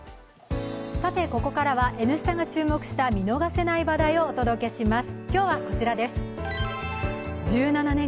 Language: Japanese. ここからは「Ｎスタ」が注目した見逃せない話題をお伝えします。